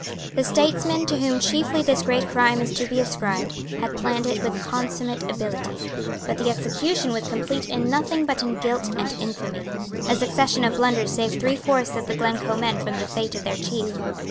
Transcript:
The statesman, to whom chiefly this great crime is to be ascribed, had planned it with consummate ability: but the execution was complete in nothing but in guilt and infamy. A succession of blunders saved three fourths of the Glencoe men from the fate of their chief.